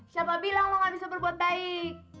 siapa bilang lo gak bisa berbuat baik